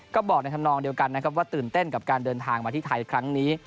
ก็บอกในธรรมนองเดียวกันนะครับว่าตื่นเต้นกับการเดินทางมาที่ไทยครั้งนี้